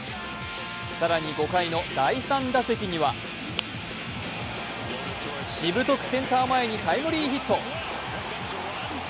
更に５回の第３打席にはしぶとくセンター前にタイムリーヒット。